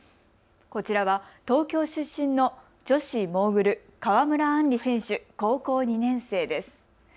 こちらは東京出身の女子モーグル、川村あんり選手、高校２年生です。